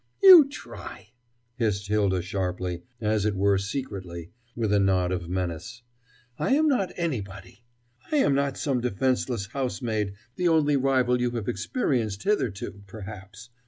"You try!" hissed Hylda sharply, as it were secretly, with a nod of menace. "I am not anybody! I am not some defenseless housemaid, the only rival you have experienced hitherto, perhaps.